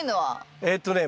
えっとね